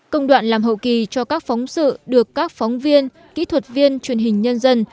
công đoạn làm hậu kỳ cho các phóng sự được các phóng viên kỹ thuật viên truyền hình nhân dân